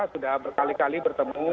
sudah berkali kali bertemu